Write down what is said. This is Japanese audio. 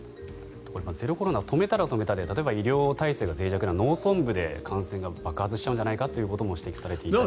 ゼロコロナを止めたら止めたで例えば医療体制がぜい弱な農村部で感染が爆発しちゃうんじゃないかということも指摘されていて。